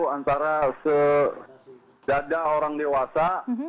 antara sejadah orang dewasa